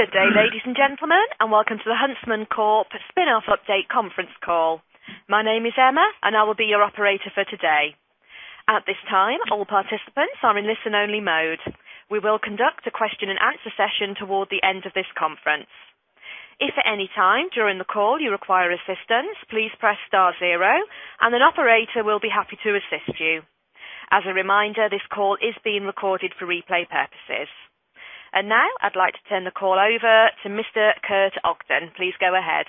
Good day, ladies and gentlemen, and welcome to the Huntsman Corporation Spin-off Update Conference Call. My name is Emma, I will be your operator for today. At this time, all participants are in listen only mode. We will conduct a question and answer session toward the end of this conference. If at any time during the call you require assistance, please press star 0 an operator will be happy to assist you. As a reminder, this call is being recorded for replay purposes. Now I'd like to turn the call over to Mr. Kurt Ogden. Please go ahead.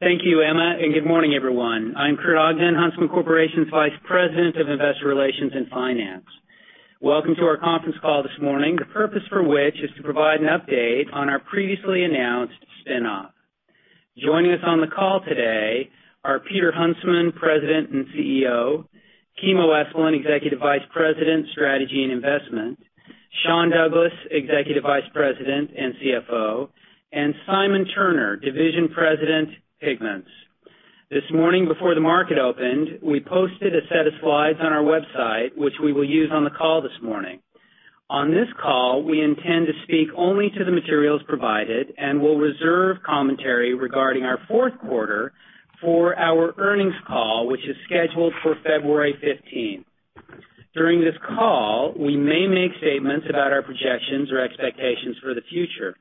Thank you, Emma, good morning everyone. I'm Kurt Ogden, Huntsman Corporation's Vice President of Investor Relations and Finance. Welcome to our conference call this morning, the purpose for which is to provide an update on our previously announced spin-off. Joining us on the call today are Peter Huntsman, President and CEO. Kimo Esplin, Executive Vice President, Strategy and Investment. Sean Douglas, Executive Vice President and CFO, Simon Turner, Division President, Pigments. This morning before the market opened, we posted a set of slides on our website, which we will use on the call this morning. On this call, we intend to speak only to the materials provided will reserve commentary regarding our fourth quarter for our earnings call, which is scheduled for February 15th. During this call, we may make statements about our projections or expectations for the future.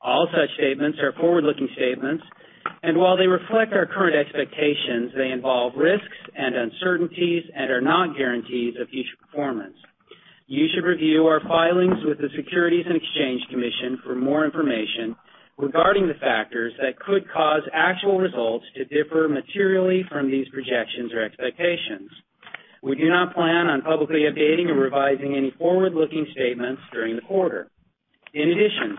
All such statements are forward-looking statements, while they reflect our current expectations, they involve risks and uncertainties are not guarantees of future performance. You should review our filings with the Securities and Exchange Commission for more information regarding the factors that could cause actual results to differ materially from these projections or expectations. We do not plan on publicly updating or revising any forward-looking statements during the quarter. In addition,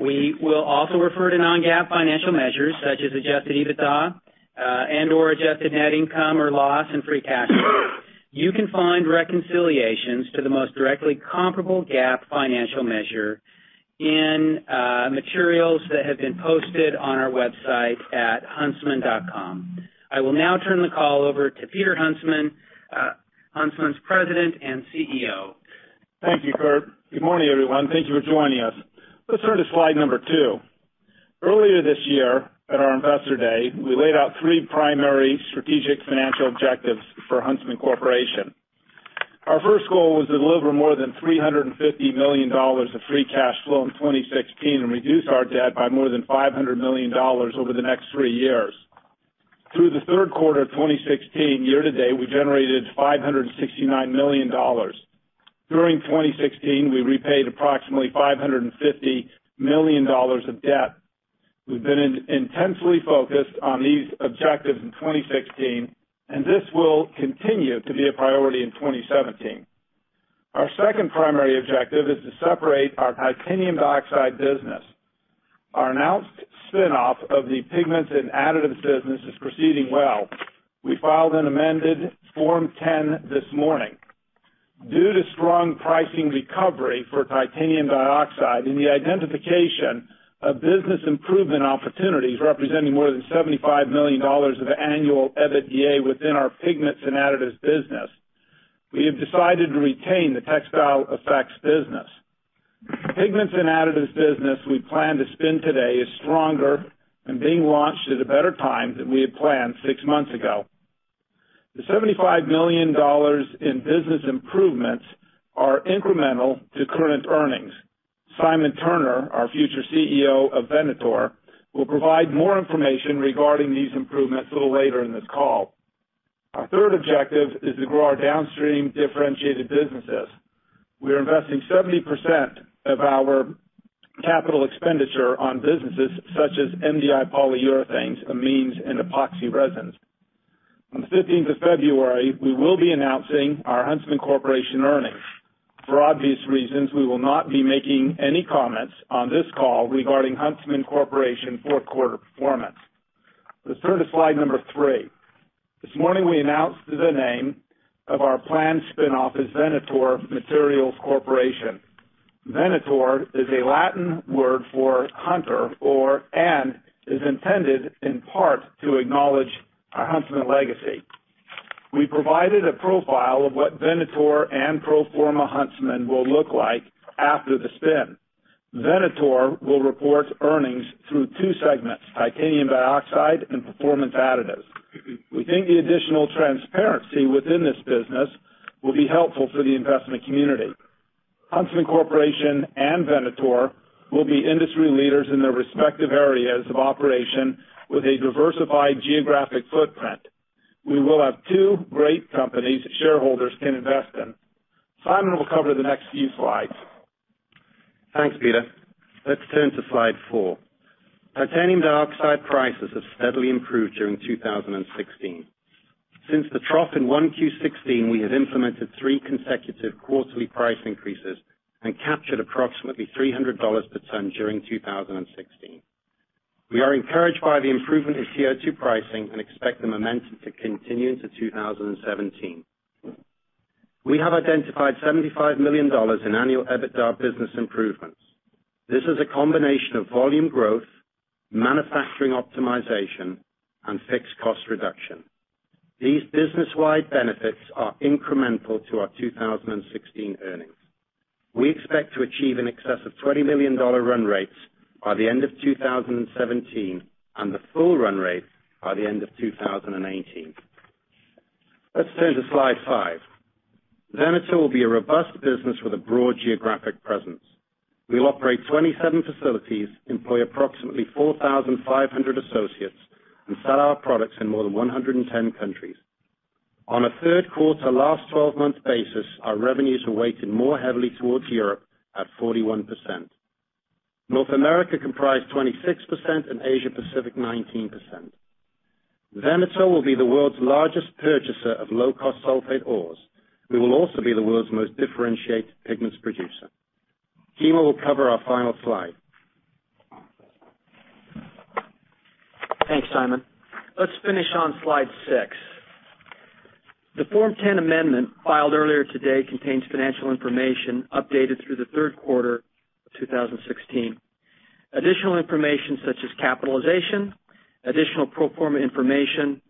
we will also refer to non-GAAP financial measures such as adjusted EBITDA, and/or adjusted net income or loss free cash flow. You can find reconciliations to the most directly comparable GAAP financial measure in materials that have been posted on our website at huntsman.com. I will now turn the call over to Peter Huntsman President and CEO. Thank you, Curt. Good morning, everyone. Thank you for joining us. Let's turn to slide number two. Earlier this year, at our Investor Day, we laid out three primary strategic financial objectives for Huntsman Corporation. Our first goal was to deliver more than $350 million of free cash flow in 2016 reduce our debt by more than $500 million over the next three years. Through the third quarter 2016 year-to-date, we generated $569 million. During 2016, we repaid approximately $550 million of debt. We've been intensely focused on these objectives in 2016, this will continue to be a priority in 2017. Our second primary objective is to separate our titanium dioxide business. Our announced spin-off of the pigments and additives business is proceeding well. We filed an amended Form 10 this morning. Due to strong pricing recovery for titanium dioxide and the identification of business improvement opportunities representing more than $75 million of annual EBITDA within our Pigments and Additives business, we have decided to retain the Textile Effects business. The Pigments and Additives business we plan to spin today is stronger and being launched at a better time than we had planned six months ago. The $75 million in business improvements are incremental to current earnings. Simon Turner, our future CEO of Venator, will provide more information regarding these improvements a little later in this call. Our third objective is to grow our downstream differentiated businesses. We are investing 70% of our capital expenditure on businesses such as MDI polyurethanes, amines, and epoxy resins. On the 15th of February, we will be announcing our Huntsman Corporation earnings. For obvious reasons, we will not be making any comments on this call regarding Huntsman Corporation fourth quarter performance. Let's turn to slide number 3. This morning, we announced the name of our planned spin-off is Venator Materials Corporation. Venator is a Latin word for hunter or, and is intended in part to acknowledge our Huntsman legacy. We provided a profile of what Venator and pro forma Huntsman will look like after the spin. Venator will report earnings through two segments: titanium dioxide and Performance Additives. We think the additional transparency within this business will be helpful for the investment community. Huntsman Corporation and Venator will be industry leaders in their respective areas of operation with a diversified geographic footprint. We will have two great companies shareholders can invest in. Simon will cover the next few slides. Thanks, Peter. Let's turn to slide four. Titanium dioxide prices have steadily improved during 2016. Since the trough in 1Q16, we have implemented three consecutive quarterly price increases and captured approximately $300 per ton during 2016. We are encouraged by the improvement in TiO2 pricing and expect the momentum to continue into 2017. We have identified $75 million in annual EBITDA business improvements. This is a combination of volume growth, manufacturing optimization, and fixed cost reduction. These business-wide benefits are incremental to our 2016 earnings. We expect to achieve in excess of $20 million run rates by the end of 2017 and the full run rate by the end of 2018. Let's turn to slide five. Venator will be a robust business with a broad geographic presence. We'll operate 27 facilities, employ approximately 4,500 associates, and sell our products in more than 110 countries. On a third quarter last 12-month basis, our revenues are weighted more heavily towards Europe at 41%. North America comprised 26% and Asia Pacific 19%. Venator will be the world's largest purchaser of low-cost sulfate ores. We will also be the world's most differentiated pigments producer. Kimo will cover our final slide. Thanks, Simon. Let's finish on slide six. The Form 10 amendment filed earlier today contains financial information updated through the third quarter of 2016. Additional information such as capitalization, additional pro forma information,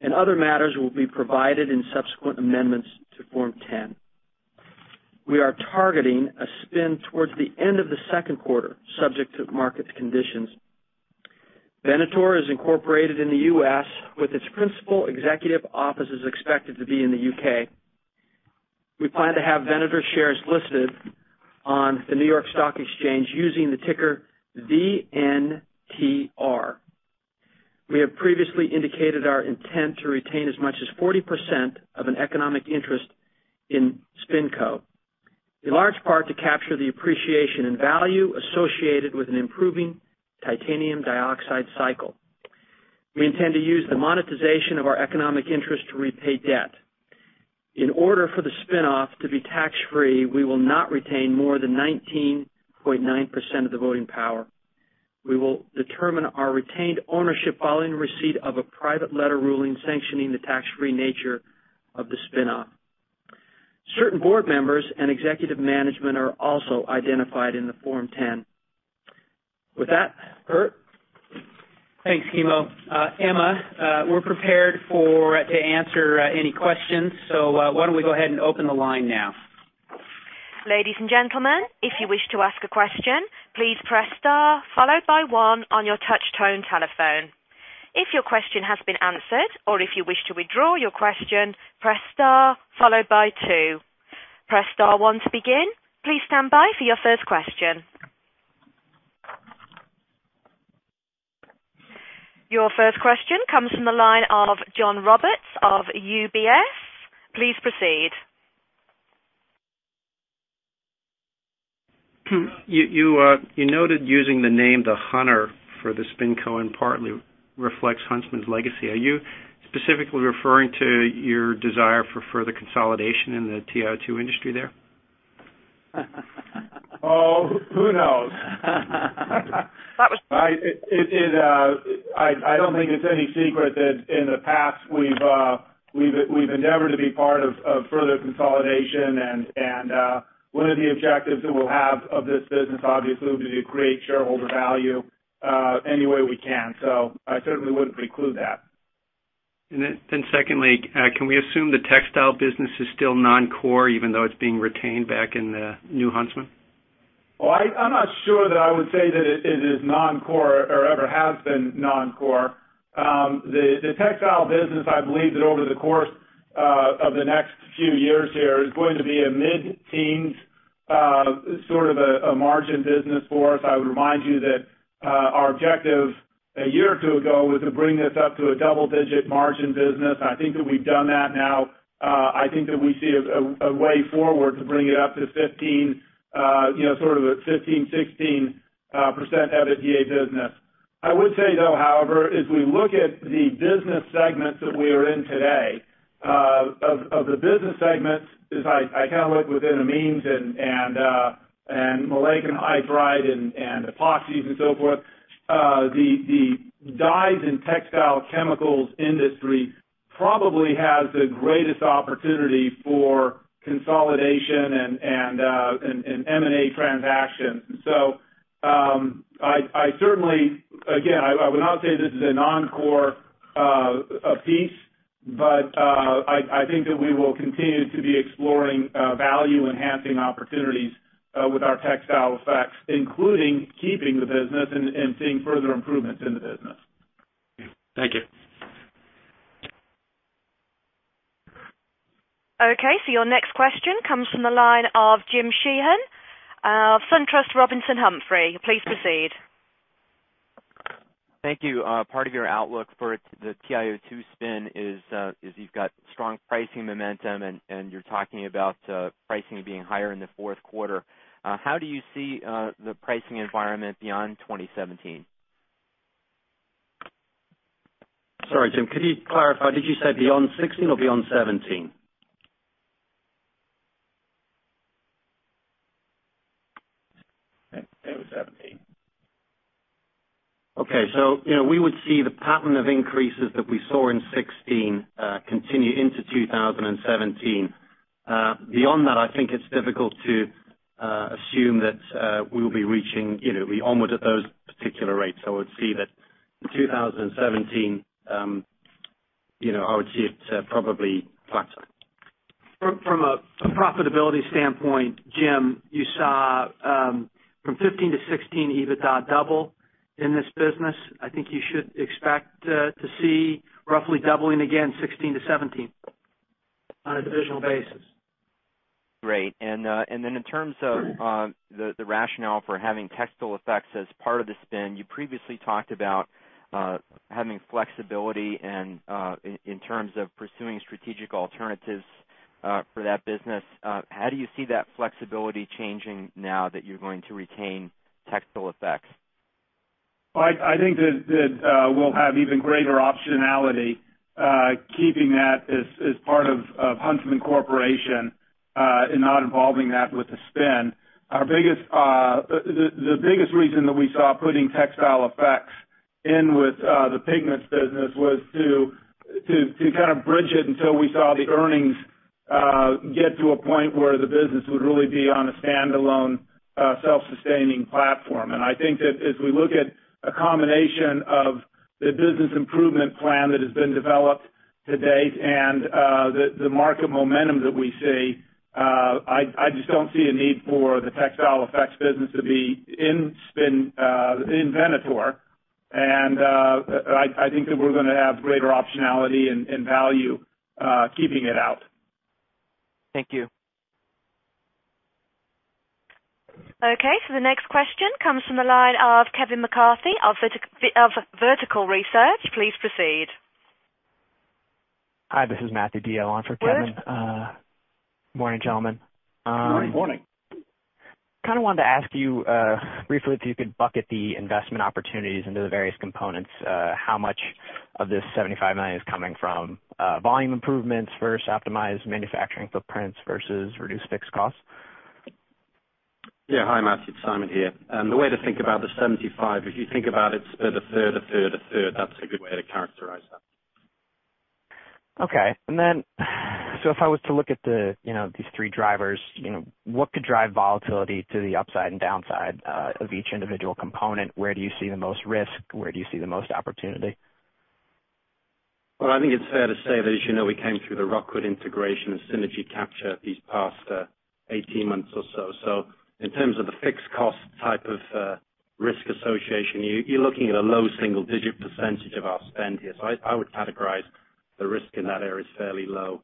and other matters will be provided in subsequent amendments to Form 10. We are targeting a spin towards the end of the second quarter, subject to market conditions. Venator is incorporated in the U.S., with its principal executive offices expected to be in the U.K. We plan to have Venator shares listed on the New York Stock Exchange using the ticker VNTR. We have previously indicated our intent to retain as much as 40% of an economic interest in SpinCo, in large part to capture the appreciation and value associated with an improving titanium dioxide cycle. We intend to use the monetization of our economic interest to repay debt. In order for the spin-off to be tax-free, we will not retain more than 19.9% of the voting power. We will determine our retained ownership following receipt of a private letter ruling sanctioning the tax-free nature of the spin-off. Certain board members and executive management are also identified in the Form 10. With that, Kurt? Thanks, Kimo. Emma, we're prepared to answer any questions, why don't we go ahead and open the line now. Ladies and gentlemen, if you wish to ask a question, please press star followed by one on your touch tone telephone. If your question has been answered or if you wish to withdraw your question, press star followed by two. Press star one to begin. Please stand by for your first question. Your first question comes from the line of John Roberts of UBS. Please proceed. You noted using the name The Hunter for the SpinCo in part reflects Huntsman's legacy. Are you specifically referring to your desire for further consolidation in the TiO2 industry there? Who knows? I don't think it's any secret that in the past, we've endeavored to be part of further consolidation, one of the objectives that we'll have of this business, obviously, will be to create shareholder value any way we can. I certainly wouldn't preclude that. Secondly, can we assume the textile business is still non-core even though it's being retained back in the new Huntsman? Well, I'm not sure that I would say that it is non-core or ever has been non-core. The textile business, I believe that over the course of the next few years here, is going to be a mid-teens sort of a margin business for us. I would remind you that our objective a year or two ago was to bring this up to a double-digit margin business. I think that we've done that now. I think that we see a way forward to bring it up to 15, sort of a 15%, 16% EBITDA business. I would say, though, however, as we look at the business segments that we are in today, of the business segments, as I kind of look within amines and maleic anhydride and epoxy resins and so forth, the dyes and textile chemicals industry probably has the greatest opportunity for consolidation and M&A transactions. I certainly, again, I would not say this is a non-core piece, but I think that we will continue to be exploring value-enhancing opportunities with our Textile Effects, including keeping the business and seeing further improvements in the business. Thank you. Okay, your next question comes from the line of Jim Sheehan, SunTrust Robinson Humphrey. Please proceed. Thank you. Part of your outlook for the TiO2 spin is you've got strong pricing momentum, and you're talking about pricing being higher in the fourth quarter. How do you see the pricing environment beyond 2017? Sorry, Jim, could you clarify? Did you say beyond 2016 or beyond 2017? It was 2017. Okay. We would see the pattern of increases that we saw in 2016 continue into 2017. Beyond that, I think it's difficult to assume that we will be onward at those particular rates. I would see that in 2017, I would see it probably flatline. From a profitability standpoint, Jim, you saw from 2015 to 2016, EBITDA double in this business. I think you should expect to see roughly doubling again, 2016 to 2017, on a divisional basis. Great. Then in terms of the rationale for having Textile Effects as part of the spin, you previously talked about having flexibility in terms of pursuing strategic alternatives for that business. How do you see that flexibility changing now that you're going to retain Textile Effects? I think that we'll have even greater optionality keeping that as part of Huntsman Corporation and not involving that with the spin. The biggest reason that we saw putting Textile Effects in with the Pigments business was to kind of bridge it until we saw the earnings get to a point where the business would really be on a standalone, self-sustaining platform. I think that as we look at a combination of the business improvement plan that has been developed to date and the market momentum that we see, I just don't see a need for the Textile Effects business to be in Venator. I think that we're going to have greater optionality and value keeping it out. Thank you. Okay, the next question comes from the line of Kevin McCarthy of Vertical Research. Please proceed. Hi, this is Matthew Dio on for Kevin. Yes. Morning, gentlemen. Morning. Morning. Kind of wanted to ask you briefly if you could bucket the investment opportunities into the various components. How much of this $75 million is coming from volume improvements versus optimized manufacturing footprints versus reduced fixed costs? Yeah. Hi, Matthew, it's Simon here. The way to think about the 75, if you think about it's a third, a third, a third. That's a good way to characterize that. If I was to look at these three drivers, what could drive volatility to the upside and downside of each individual component? Where do you see the most risk? Where do you see the most opportunity? Well, I think it's fair to say that, as you know, we came through the Rockwood integration and synergy capture these past 18 months or so. In terms of the fixed cost type of risk association, you're looking at a low single-digit % of our spend here. I would categorize the risk in that area as fairly low.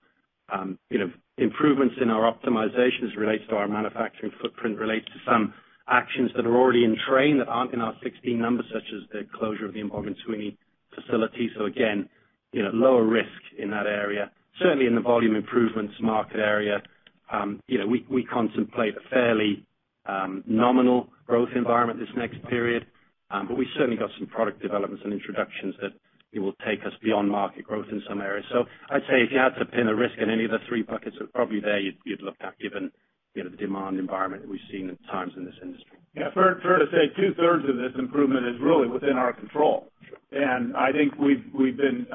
Improvements in our optimization, as it relates to our manufacturing footprint, relates to some actions that are already in train that aren't in our 2016 numbers, such as the closure of the Umbogintwini facility. Again, lower risk in that area. Certainly in the volume improvements market area, we contemplate a fairly nominal growth environment this next period. We certainly got some product developments and introductions that will take us beyond market growth in some areas. I'd say if you had to pin a risk in any of the three buckets, it's probably there you'd look at, given the demand environment that we've seen at times in this industry. Yeah, fair to say two-thirds of this improvement is really within our control. I think we've been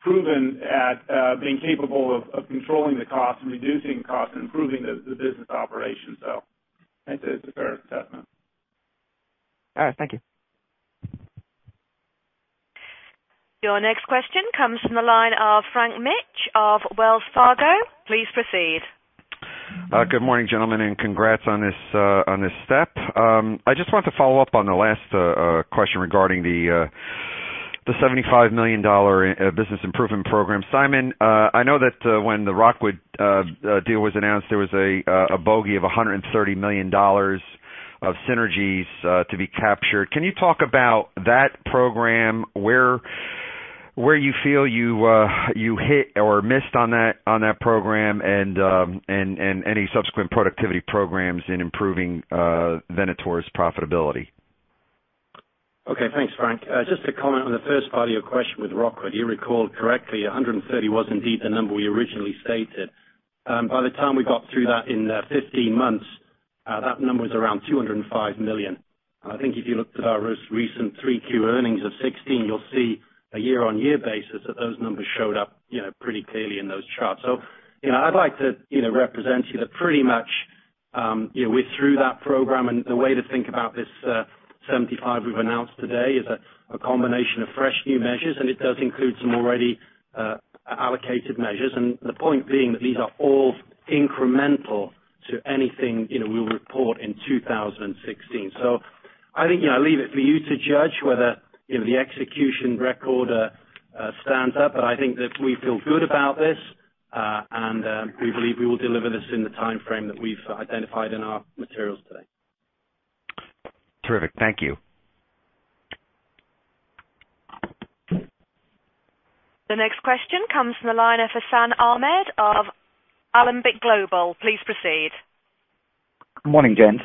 proven at being capable of controlling the cost and reducing cost and improving the business operations. I'd say it's a fair assessment. All right. Thank you. Your next question comes from the line of Frank Mitsch of Wells Fargo. Please proceed. Good morning, gentlemen, congrats on this step. I just wanted to follow up on the last question regarding the $75 million business improvement program. Simon, I know that when the Rockwood deal was announced, there was a bogey of $130 million of synergies to be captured. Can you talk about that program, where you feel you hit or missed on that program, and any subsequent productivity programs in improving Venator's profitability? Okay. Thanks, Frank. Just to comment on the first part of your question with Rockwood. You recall correctly, $130 was indeed the number we originally stated. By the time we got through that in 15 months, that number was around $205 million. I think if you looked at our most recent 3Q earnings of 2016, you'll see a year-on-year basis that those numbers showed up pretty clearly in those charts. I'd like to represent to you that pretty much we're through that program, and the way to think about this $75 we've announced today is a combination of fresh new measures, and it does include some already allocated measures. The point being that these are all incremental to anything we'll report in 2016. I think I'll leave it for you to judge whether the execution record stands up, but I think that we feel good about this, and we believe we will deliver this in the timeframe that we've identified in our materials today. Terrific. Thank you. The next question comes from the line of Hassan Ahmed of Alembic Global Advisors. Please proceed. Good morning, gents.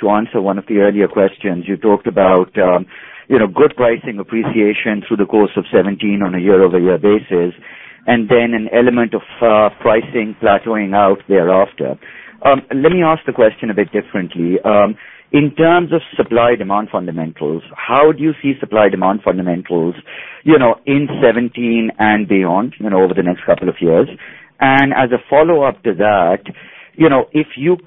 To answer one of the earlier questions, you talked about good pricing appreciation through the course of 2017 on a year-over-year basis. An element of pricing plateauing out thereafter. Let me ask the question a bit differently. In terms of supply-demand fundamentals, how do you see supply-demand fundamentals in 2017 and beyond over the next couple of years? As a follow-up to that, could you do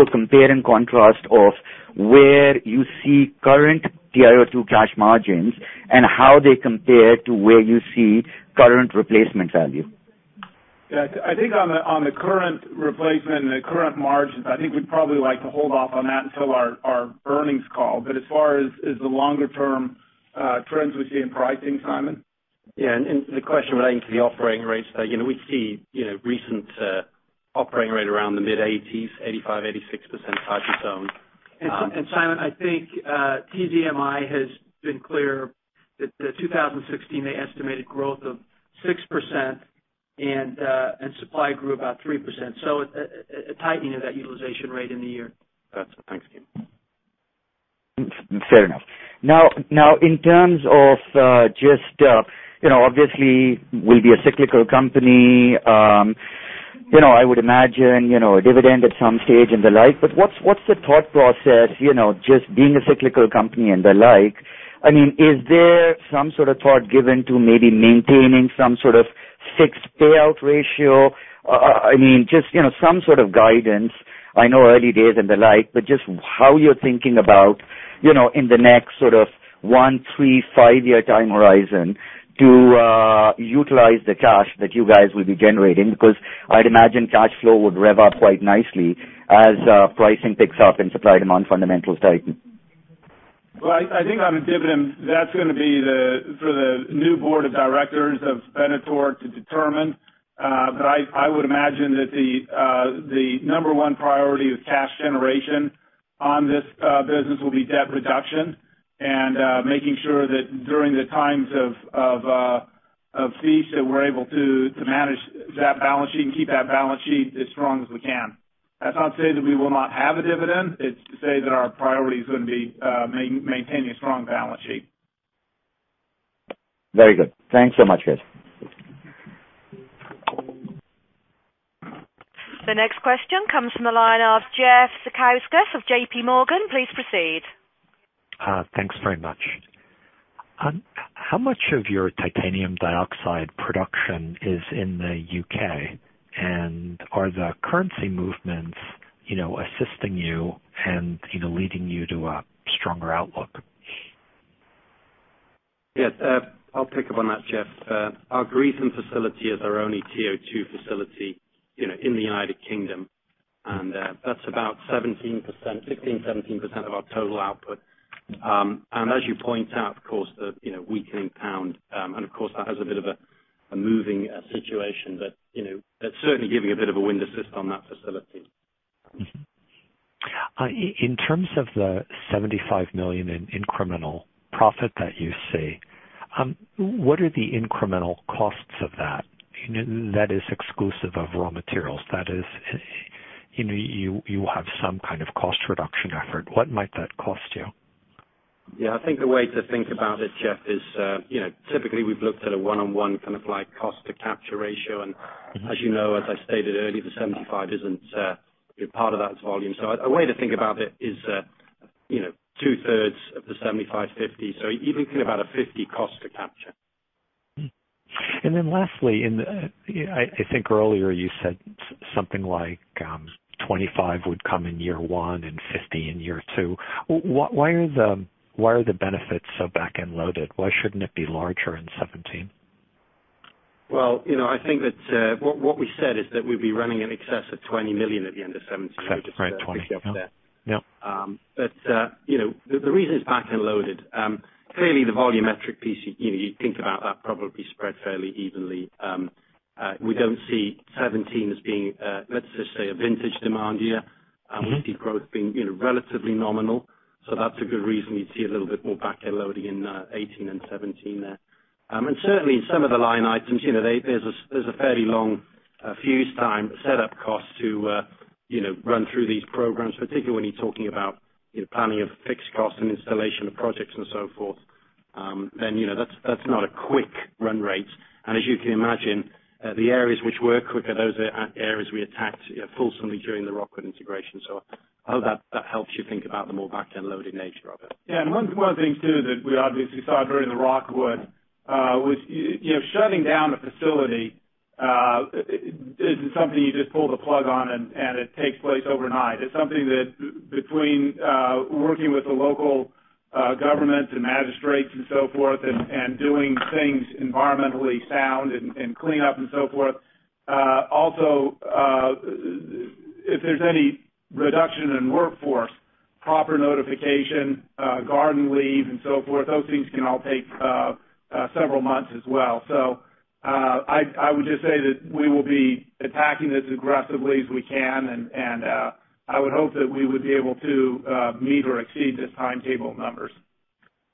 a compare and contrast of where you see current TiO2 cash margins and how they compare to where you see current replacement value? Yeah. I think on the current replacement and the current margins, I think we'd probably like to hold off on that until our earnings call. As far as the longer-term trends we see in pricing, Simon? Yeah. The question relating to the operating rates, we see recent operating rate around the mid-80s, 85%, 86% type of zone. Simon, I think TZMI has been clear that the 2016 they estimated growth of 6% and supply grew about 3%. A tightening of that utilization rate in the year. Got you. Thanks, Kurt. In terms of just, obviously we'll be a cyclical company. I would imagine a dividend at some stage and the like, what's the thought process, just being a cyclical company and the like, I mean, is there some sort of thought given to maybe maintaining some sort of fixed payout ratio? I mean, just some sort of guidance. I know early days and the like, just how you're thinking about in the next one, three, five-year time horizon to utilize the cash that you guys will be generating. I'd imagine cash flow would rev up quite nicely as pricing picks up and supply-demand fundamentals tighten. Well, I think on the dividend, that's going to be for the new board of directors of Venator to determine. I would imagine that the number 1 priority with cash generation on this business will be debt reduction and making sure that during the times of feast, that we're able to manage that balance sheet and keep that balance sheet as strong as we can. That's not to say that we will not have a dividend. It's to say that our priority is going to be maintaining a strong balance sheet. Very good. Thanks so much, guys. The next question comes from the line of Jeff Sikorski of J.P. Morgan. Please proceed. Thanks very much. How much of your titanium dioxide production is in the U.K.? Are the currency movements assisting you and leading you to a stronger outlook? Yes. I'll pick up on that, Jeff. Our Greatham facility is our only TiO2 facility in the United Kingdom, and that's about 16%-17% of our total output. As you point out, of course the weakening pound, and of course that has a bit of a moving situation. That's certainly giving a bit of a wind assist on that facility. In terms of the $75 million in incremental profit that you see, what are the incremental costs of that? That is exclusive of raw materials. That is, you have some kind of cost reduction effort. What might that cost you? I think the way to think about it, Jeff, is typically we've looked at a one-on-one kind of cost to capture ratio. As you know, as I stated earlier, the 75 isn't part of that volume. A way to think about it is two-thirds of the 75/50, so you're thinking about a 50 cost to capture. Lastly, I think earlier you said something like 25 would come in year one and 50 in year two. Why are the benefits so back-end loaded? Why shouldn't it be larger in 2017? I think that what we said is that we'd be running in excess of $20 million at the end of 2017. Right. 20. Yep. The reason it's back-end loaded, clearly the volumetric piece, you think about that probably spread fairly evenly. We don't see 2017 as being, let's just say, a vintage demand year. We see growth being relatively nominal. That's a good reason you'd see a little bit more back-end loading in 2018 and 2017 there. Certainly, in some of the line items, there's a fairly long fuse time to set up costs to run through these programs. Particularly when you're talking about planning of fixed costs and installation of projects and so forth, that's not a quick run rate. As you can imagine, the areas which were quicker, those are areas we attacked fulsomely during the Rockwood integration. I hope that helps you think about the more back-end loaded nature of it. One of the things too that we obviously saw during the Rockwood was shutting down a facility isn't something you just pull the plug on and it takes place overnight. It's something that between working with the local government and magistrates and so forth and doing things environmentally sound and clean up and so forth. Also, if there's any reduction in workforce, proper notification, garden leave and so forth, those things can all take several months as well. I would just say that we will be attacking this aggressively as we can, and I would hope that we would be able to meet or exceed the timetable numbers.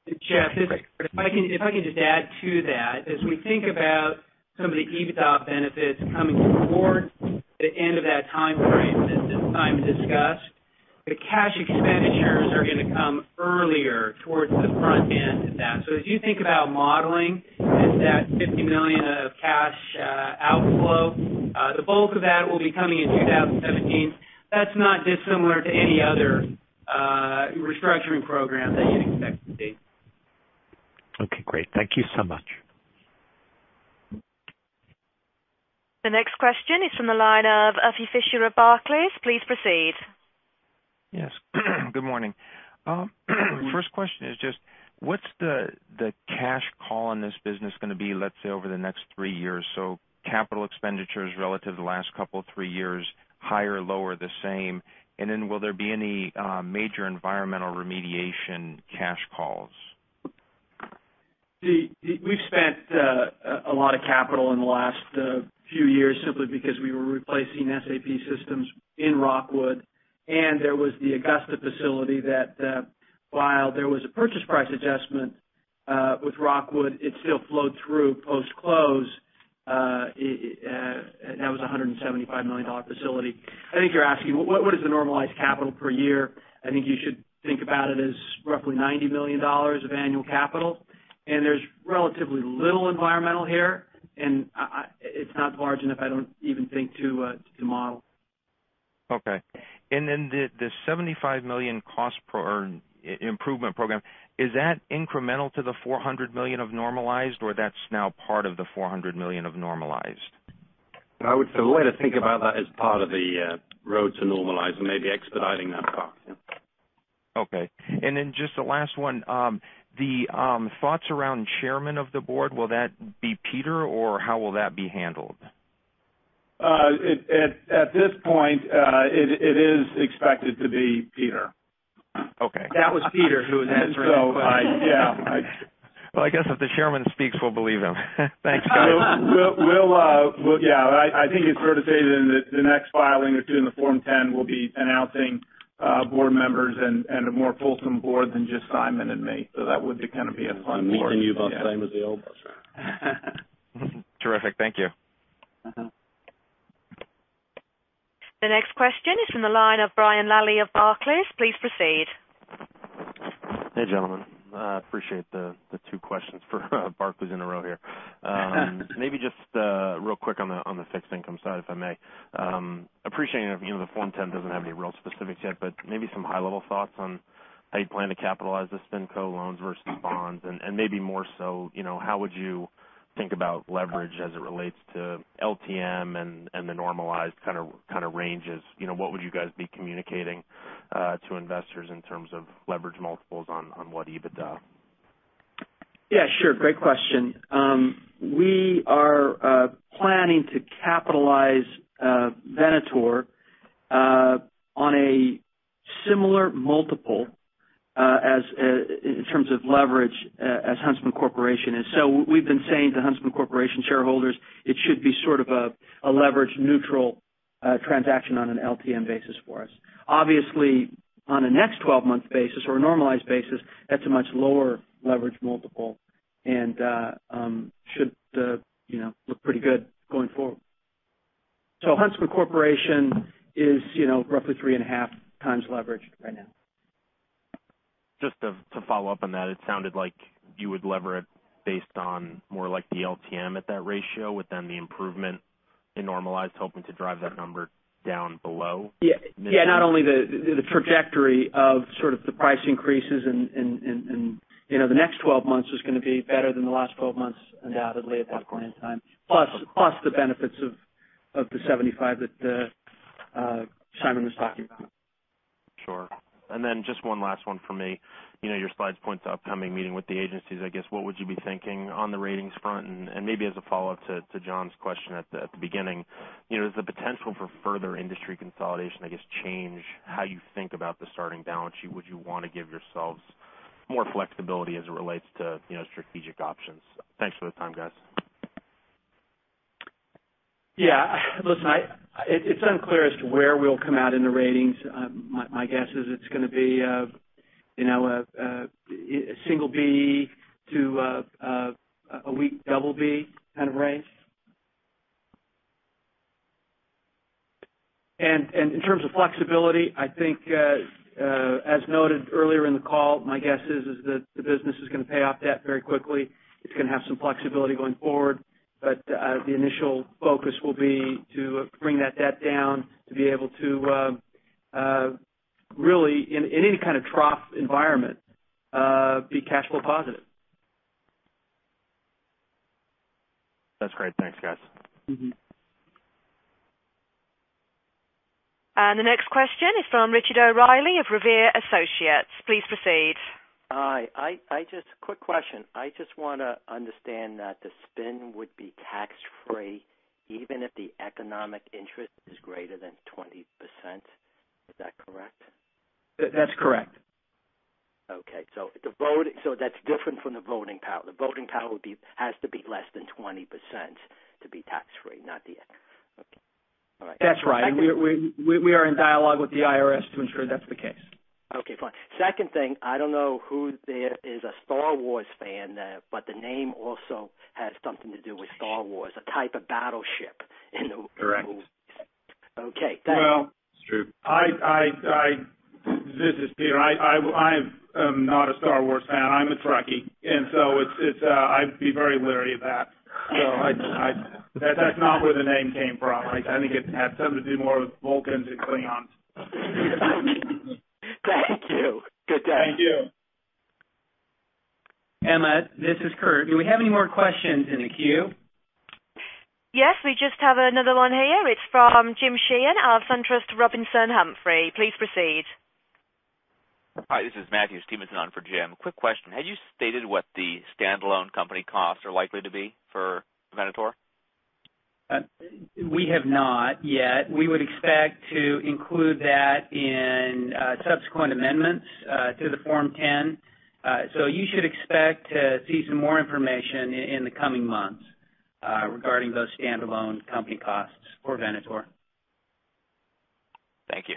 Jeff, if I can just add to that. As we think about some of the EBITDA benefits coming toward the end of that time frame that Simon discussed. The cash expenditures are going to come earlier towards the front end of that. As you think about modeling, it's that $50 million of cash outflow. The bulk of that will be coming in 2017. That's not dissimilar to any other restructuring program that you'd expect to see. Okay, great. Thank you so much. The next question is from the line of Ufi Fisher of Barclays. Please proceed. Yes. Good morning. First question is just, what's the cash call on this business going to be, let's say, over the next three years? Capital expenditures relative to the last couple, three years, higher, lower, the same? Will there be any major environmental remediation cash calls? We've spent a lot of capital in the last few years simply because we were replacing SAP systems in Rockwood, and there was the Augusta facility that while there was a purchase price adjustment with Rockwood, it still flowed through post-close. That was a $175 million facility. I think you're asking what is the normalized capital per year? I think you should think about it as roughly $90 million of annual capital, and there's relatively little environmental here, and it's not large enough, I don't even think, to model. Okay. The $75 million cost per improvement program, is that incremental to the $400 million of normalized, or that's now part of the $400 million of normalized? I would say the way to think about that is part of the road to normalize and maybe expediting that process. Okay. Just the last one. The thoughts around chairman of the board, will that be Peter, or how will that be handled? At this point, it is expected to be Peter. Okay. That was Peter who was answering. Yeah. I guess if the chairman speaks, we'll believe him. Thanks, guys. Yeah. I think it's fair to say then that the next filing or two in the Form 10 will be announcing board members and a more fulsome board than just Simon and me. That would kind of be a fun board. Meeting you both, same as the old boss. Terrific. Thank you. The next question is from the line of Brian Lalli of Barclays. Please proceed. Hey, gentlemen. I appreciate the two questions for Barclays in a row here. Maybe just real quick on the fixed income side, if I may. Appreciating the Form 10 doesn't have any real specifics yet, but maybe some high-level thoughts on how you plan to capitalize the SpinCo loans versus bonds, and maybe more so, how would you think about leverage as it relates to LTM and the normalized kind of ranges. What would you guys be communicating to investors in terms of leverage multiples on what EBITDA? Yeah, sure. Great question. We are planning to capitalize Venator on a similar multiple in terms of leverage as Huntsman Corporation is. We've been saying to Huntsman Corporation shareholders, it should be sort of a leverage-neutral transaction on an LTM basis for us. Obviously, on a next 12-month basis or a normalized basis, that's a much lower leverage multiple and should look pretty good going forward. Huntsman Corporation is roughly 3.5x leverage right now. Just to follow up on that, it sounded like you would lever it based on more like the LTM at that ratio with then the improvement in normalized, hoping to drive that number down below. Yeah, not only the trajectory of sort of the price increases and the next 12 months is gonna be better than the last 12 months, undoubtedly, at that point in time, plus the benefits of the 75 that Simon was talking about. Sure. Then just one last one for me. Your slides point to upcoming meeting with the agencies. I guess what would you be thinking on the ratings front? Maybe as a follow-up to John's question at the beginning, does the potential for further industry consolidation, I guess, change how you think about the starting balance? Would you want to give yourselves more flexibility as it relates to strategic options? Thanks for the time, guys. Yeah. Listen, it's unclear as to where we'll come out in the ratings. My guess is it's gonna be a single B to a weak double B kind of range. In terms of flexibility, I think, as noted earlier in the call, my guess is that the business is gonna pay off debt very quickly. It's gonna have some flexibility going forward, but the initial focus will be to bring that debt down, to be able to really, in any kind of trough environment, be cash flow positive. That's great. Thanks, guys. The next question is from Richard O'Reilly of Revere Associates. Please proceed. Hi. Quick question. I just want to understand that the spin would be tax-free even if the economic interest is greater than 20%. Is that correct? That's correct. Okay. That's different from the voting power. The voting power has to be less than 20% to be tax-free, not the Okay. All right. That's right. We are in dialogue with the IRS to ensure that's the case. Okay, fine. Second thing, I don't know who there is a "Star Wars" fan there, the name also has something to do with "Star Wars," a type of battleship. Correct. Okay, thanks. It's true. This is Peter. I am not a "Star Wars" fan. I'm a Trekkie, I'd be very leery of that. That's not where the name came from. I think it had something to do more with Vulcans and Klingons. Thank you. Good day. Thank you. Emma, this is Kurt. Do we have any more questions in the queue? Yes, we just have another one here. It's from Jim Sheehan of SunTrust Robinson Humphrey. Please proceed. Hi, this is Matthew Stevenson on for Jim. Quick question. Had you stated what the standalone company costs are likely to be for Venator? We have not yet. We would expect to include that in subsequent amendments to the Form 10. You should expect to see some more information in the coming months regarding those standalone company costs for Venator. Thank you.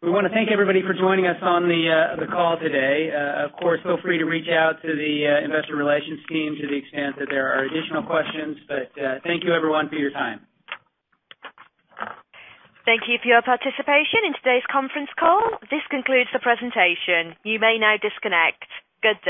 Yeah. We want to thank everybody for joining us on the call today. Of course, feel free to reach out to the investor relations team to the extent that there are additional questions, but thank you, everyone, for your time. Thank you for your participation in today's conference call. This concludes the presentation. You may now disconnect. Good day.